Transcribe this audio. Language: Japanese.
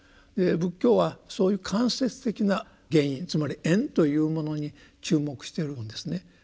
仏教はそういう間接的な原因つまり「縁」というものに注目しているんですね。